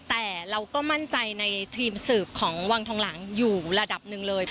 แต่เราก็มั่นใจในทีมสืบของวังทองหลังอยู่ระดับหนึ่งเลย